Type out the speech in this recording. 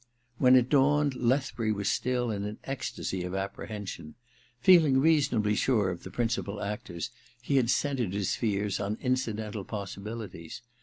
When it dawned, Lethbury was still in an ecstasy of apprehension. F^ing reasonably sure of the principal actors he had centred his fears on incidental possibilities.